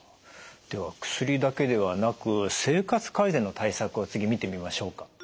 では薬だけではなく生活改善の対策を次見てみましょうか。